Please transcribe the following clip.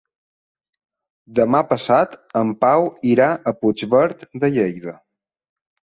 Demà passat en Pau irà a Puigverd de Lleida.